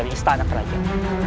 dari istana kerajaan